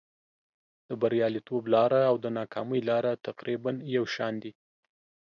د بریالیتوب لاره او د ناکامۍ لاره تقریبا یو شان دي.